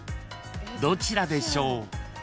［どちらでしょう？］